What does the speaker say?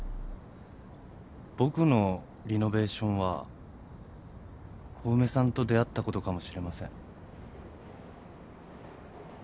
僕のリノベーションは小梅さんと出会ったことかもしれません。